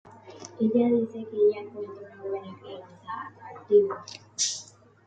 Ella dice que ella encuentra una buena crianza atractivo.